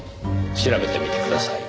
調べてみてください。